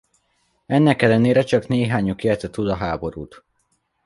Ennek ellenére csak néhányuk élte túl a háborút.